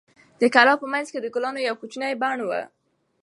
د کلا په منځ کې د ګلانو یو کوچنی بڼ و.